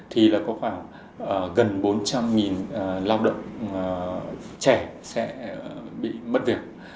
thì là có khoảng gần bốn trăm linh lao động trẻ sẽ bị mất việc